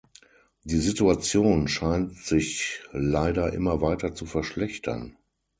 Die Situation scheint sich leider immer weiter zu verschlechtern.